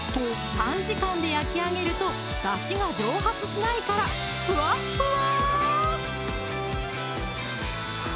短時間で焼き上げるとだしが蒸発しないからふわっふわ！